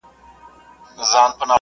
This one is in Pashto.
زموږ سوداګر باید لیرې لید ولري.